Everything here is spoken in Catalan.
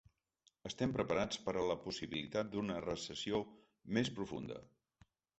Estem preparats per a la possibilitat d’una recessió més profunda.